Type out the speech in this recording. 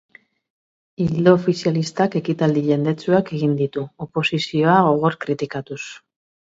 Ildo ofizialistak ekitaldi jendetsuak egin ditu, oposizioa gogor kritikatuz.